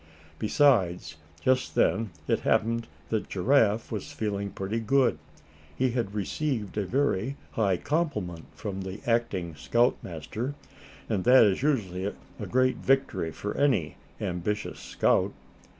Besides, just then it happened that Giraffe was feeling pretty good. He had received a very high compliment from the acting scoutmaster, and that is usually a great victory for any ambitious scout.